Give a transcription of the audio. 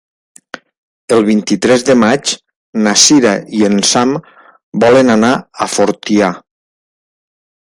El vint-i-tres de maig na Cira i en Sam volen anar a Fortià.